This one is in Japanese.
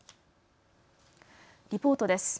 リポートです。